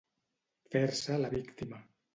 Fer-se la víctima.